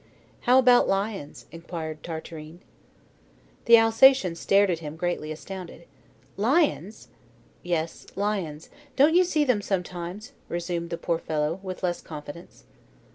"How about lions?" inquired Tartarin. The Alsatian stared at him, greatly astounded. "Lions!" "Yes, lions. Don't you see them sometimes?" resumed the poor fellow, with less confidence.